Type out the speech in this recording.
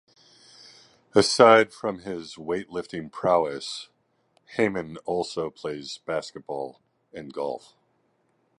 Aside from his weightlifting prowess, Hamman also plays basketball and golf.